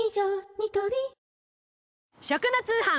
ニトリ食の通販。